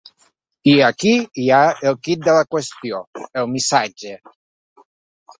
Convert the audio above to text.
I aquí hi ha el quid de la qüestió: el missatge.